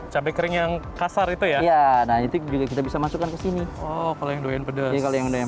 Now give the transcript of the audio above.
cabai kering yang kasar itu ya nah itu juga kita bisa masukkan ke sini oh kalau yang doyan